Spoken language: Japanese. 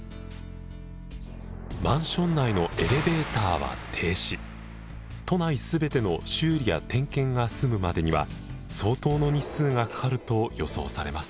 マンション内の都内全ての修理や点検が済むまでには相当の日数がかかると予想されます。